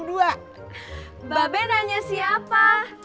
mbak ben nanya siapa